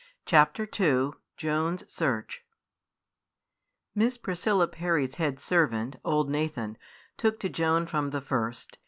CHAPTER II JOAN'S SEARCH Miss Priscilla Parry's head servant, old Nathan, took to Joan from the first.